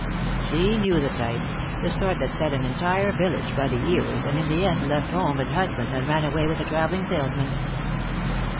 She knew the type, the sort that set an entire village by the ears and in the end left home and husband and ran away with a traveling salesman.